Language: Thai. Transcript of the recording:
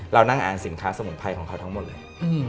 เรานั่งอ่านสินค้าสมุนไพรของเขาทั้งหมดเลย